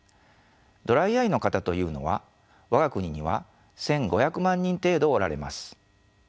ドライアイの方というのは我が国には１，５００万人程度おられます。